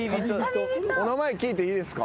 お名前聞いていいですか？